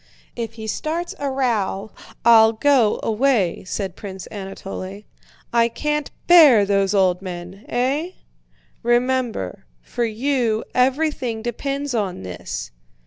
"If he starts a row I'll go away," said Prince Anatole. "I can't bear those old men! Eh?" "Remember, for you everything depends on this."